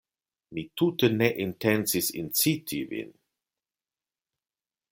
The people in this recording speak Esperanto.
Mi tute ne intencis inciti Vin!